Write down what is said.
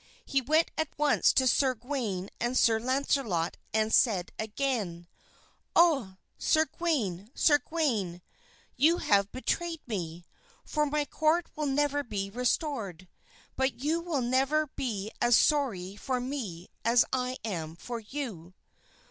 He went at once to Sir Gawain and Sir Launcelot and said again, "Ah! Sir Gawain! Sir Gawain! You have betrayed me, for my court will never be restored; but you will never be as sorry for me as I am for you."